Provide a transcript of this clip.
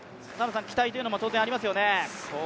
期待というのも当然ありますよね。